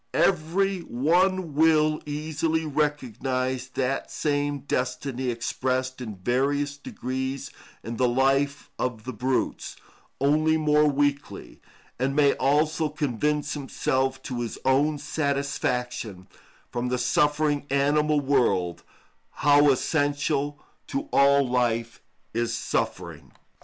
Every one will easily recognise that same destiny expressed in various degrees in the life of the brutes, only more weakly, and may also convince himself to his own satisfaction, from the suffering animal world, how essential to all life is suffering.